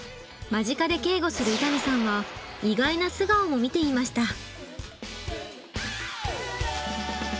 間近で警護する伊丹さんは意外な素顔も見ていました。